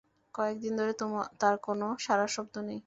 কয়েকদিন ধরে তার কোনো সাড়া শব্দ নেই।